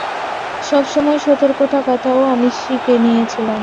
সবসময় সতর্ক থাকাটাও আমি শিখে নিয়েছিলাম।